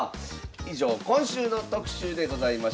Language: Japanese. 以上今週の特集でございました。